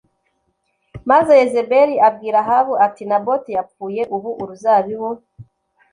maze yezebeli abwira ahabu ati naboti yapfuye ubu uruzabibu